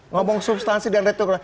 ngomong substansi dan retorika